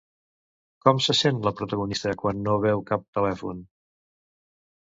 Com se sent la protagonista quan no veu cap telèfon?